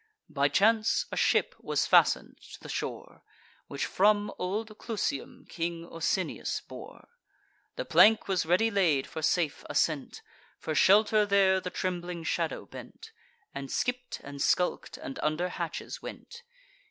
By chance a ship was fasten'd to the shore, Which from old Clusium King Osinius bore: The plank was ready laid for safe ascent; For shelter there the trembling shadow bent, And skipp't and skulk'd, and under hatches went.